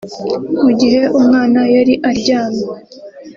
Mu gihe umwana yari aryamye